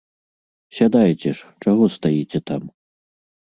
Сядайце ж, чаго стаіце там!